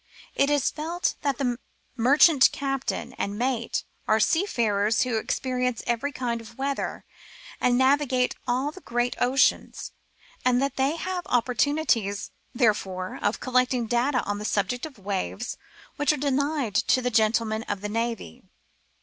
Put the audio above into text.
It is felt that the merchant captain and mate are seafarers who experi ence every kind of weather, and navigate all the great oceans, and that they have opportunities, therefore, of collecting data on the subject of waves which are denied to the gentlemen of the navy.